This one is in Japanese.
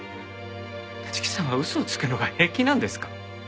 立木さんは嘘をつくのが平気なんですか？